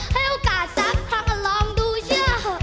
ให้โอกาสสักครั้งก็ลองดูเชื่อ